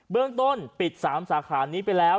เรื่องต้นปิด๓สาขานี้ไปแล้ว